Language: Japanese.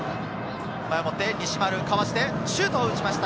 西丸、かわしてシュートを打ちました。